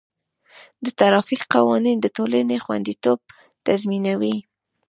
د ټرافیک قوانین د ټولنې خوندیتوب تضمینوي.